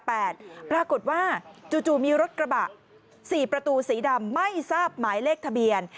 ปรากฏว่าจู่มีรถกระบะ๔ประตูสีดำไม่ทราบหมายเลขทะเบียน